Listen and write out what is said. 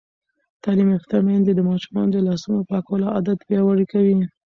تعلیم یافته میندې د ماشومانو د لاسونو پاکولو عادت پیاوړی کوي.